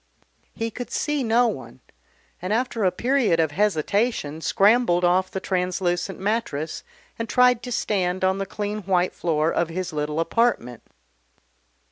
He could see no one, and after a period of hesitation scrambled off the translucent mattress and tried to stand on the clean white floor of his little apartment.